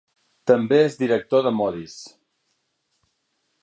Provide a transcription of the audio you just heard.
També és director de Moody's.